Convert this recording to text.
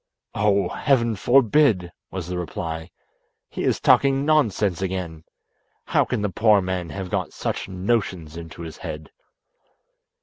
"Oh! heaven forbid!" was the reply. "He is talking nonsense again. How can the poor man have got such notions into his head?"